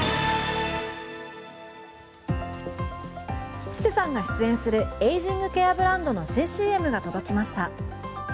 吉瀬さんが出演するエイジングケアブランドの新ＣＭが届きました。